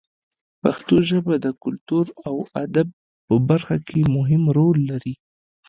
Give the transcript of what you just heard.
پښتو ژبه د کلتور او ادب په برخه کې مهم رول لري.